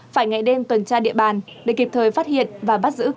phải ngày đêm tuần tra địa bàn để kịp thời phát hiện và bắt giữ